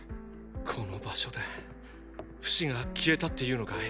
この場所でフシが消えたっていうのかい？